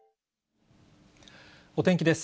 お天気です。